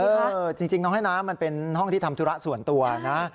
จริงน้องให้น้ำมันเป็นห้องที่ทำธุระส่วนตัวนะ